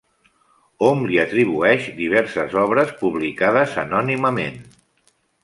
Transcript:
Hom li atribueix diverses obres publicades anònimament.